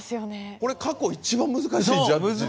これ過去一番難しいジャッジですね。